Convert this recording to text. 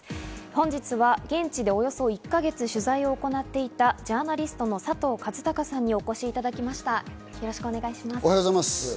本日は現地でおよそ１か月取材を行っていたジャーナリストの佐藤和孝さんにお越しいただきました。